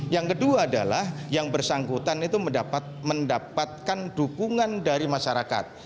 yang kedua adalah yang bersangkutan itu mendapatkan dukungan dari masyarakat